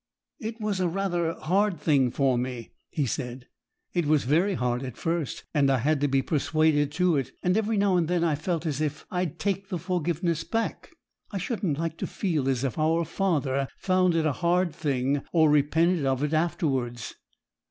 'It was a rather hard thing for me,' he said; 'it was very hard at first, and I had to be persuaded to it; and every now and then I felt as if I'd take the forgiveness back. I shouldn't like to feel as if our Father found it a hard thing, or repented of it afterwards.'